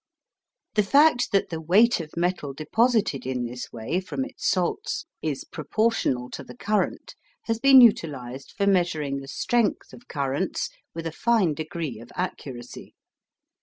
The fact that the weight of metal deposited in this way from its salts is proportional to the current, has been utilised for measuring the strength of currents with a fine degree of accuracy.